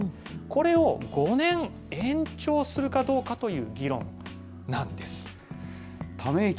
これを５年延長するかどうかという議論なんです。